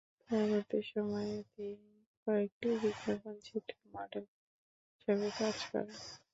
পরবর্তী সময়ে তিনি কয়েকটি বিজ্ঞাপন চিত্রে মডেল হিসেবে কাজ করেন।